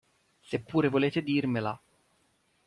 Se pure volete dirmela.